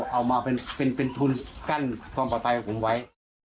เอามาเป็นทุนกั้นความปลอดภัยของผมไว้